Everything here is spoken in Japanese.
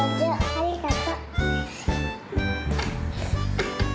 ありがとう。